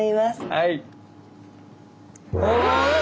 はい。